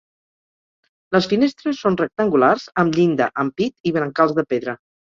Les finestres són rectangulars amb llinda, ampit i brancals de pedra.